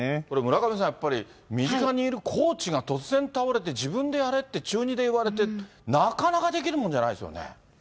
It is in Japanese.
これ、村上さん、やっぱり身近にいるコーチが突然倒れて、自分でやれって、中２で言われて、なかなかできるもんじゃないですよね。